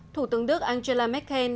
thủ tướng đức angela mccabe